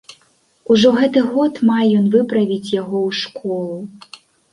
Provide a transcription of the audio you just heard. Ужо гэты год мае ён выправіць яго ў школу.